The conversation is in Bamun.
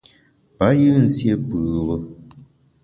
Payù nsié pùbe.